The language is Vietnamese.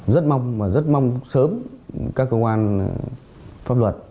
rất mong và rất mong sớm các cơ quan pháp luật